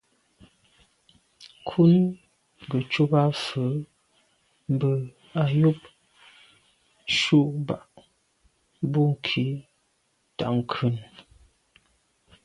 Ŋkrʉ̀n gə́ cúp à’ fə́ mbə́ á yûp cú mbɑ́ bú khǐ tà’ ŋkrʉ̀n.